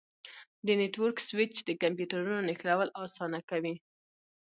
د نیټورک سویچ د کمپیوټرونو نښلول اسانه کوي.